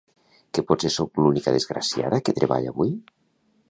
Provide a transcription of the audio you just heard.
Que potser sóc l'única desgraciada que treballa avui?